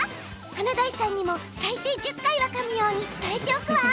華大さんにも、最低１０回はかむように伝えておくわ。